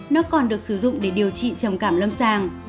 nó còn được sử dụng để điều trị trầm cảm lâm sàng